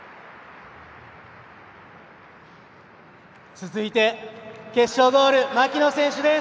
続いて、決勝ゴール槙野選手です！